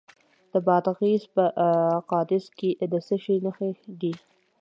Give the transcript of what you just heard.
د بادغیس په قادس کې د څه شي نښې دي؟